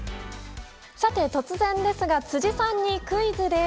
突然ですが辻さんにクイズです。